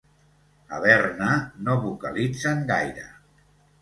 A Berna no vocalitzen gaire.